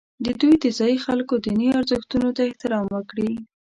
دوی د ځایي خلکو دیني ارزښتونو ته احترام وکړي.